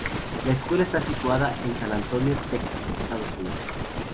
La escuela está situada en San Antonio, Texas, Estados Unidos.